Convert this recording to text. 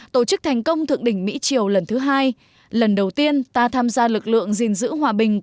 tổ chức thành công thượng đỉnh mỹ triều lần thứ hai lần đầu tiên ta tham gia lực lượng gìn giữ hòa bình